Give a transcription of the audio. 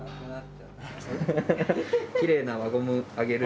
きれいな輪ゴムあげる。